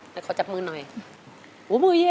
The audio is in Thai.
เดี๋ยวขอจับมือหน่อยโอ้มือเย็นมือเย็น